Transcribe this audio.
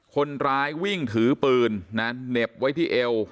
คนร้ายวิ่งถือปืนนะเหน็บไว้ที่เอว